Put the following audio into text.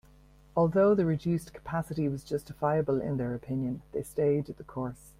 Although the reduced capacity was justifiable in their opinion, they stayed the course.